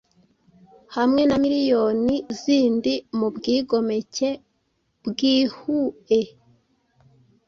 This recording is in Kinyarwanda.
hamwe na miriyoni zindi mubwigomeke bwihue